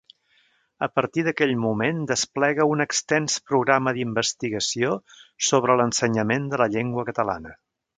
A partir d'aquell moment desplega un extens programa d'investigació sobre l'ensenyament de la llengua catalana.